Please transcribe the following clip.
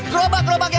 gerobak gerobak ya